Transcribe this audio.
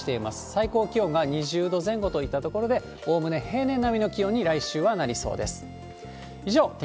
最高気温が２０度前後といったところで、おおむね平年並みの気温の気温に、来週はなりそうです。